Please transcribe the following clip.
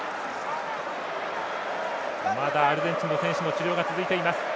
まだアルゼンチンの選手の治療が続いています。